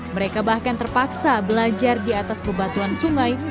mereka bahkan terpaksa belajar di atas bebatuan sungai